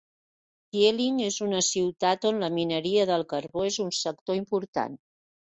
Tieling és una ciutat on la mineria del carbó és un sector important.